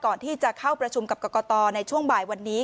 ก่อนที่จะเข้าประชุมกับกรกตในช่วงบ่ายวันนี้